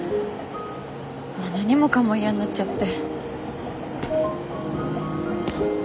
もう何もかも嫌になっちゃって。